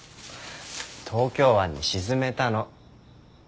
東京湾に沈めたの。